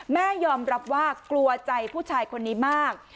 แม่ยอมรับว่ากลัวใจผู้ชายคนนี้มาก